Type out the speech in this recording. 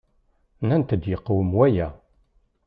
Nnant-d yeqwem waya.